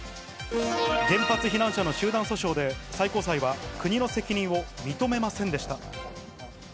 原発避難者の集団訴訟で、最高裁は国の責任を認めませんでした。